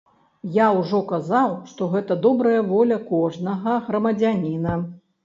Я ўжо казаў, што гэта добрая воля кожнага грамадзяніна.